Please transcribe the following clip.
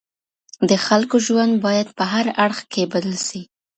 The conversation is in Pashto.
د خلګو ژوند باید په هر اړخ کي بدل سي.